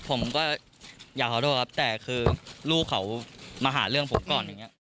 ผมก็อยากขอโทษครับแต่คือลูกเขามาหาเรื่องผมก่อนอย่างนี้